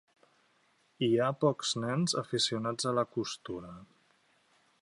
Hi ha pocs nens aficionats a la costura.